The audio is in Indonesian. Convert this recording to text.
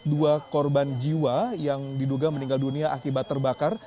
dua korban jiwa yang diduga meninggal dunia akibat terbakar